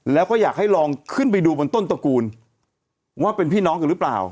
แล้วก็อยากให้ลองขึ้นไปดูบนต้นตระกูลว่าเป็นพี่น้องกันหรือเปล่า